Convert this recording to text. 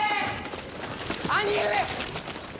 兄上。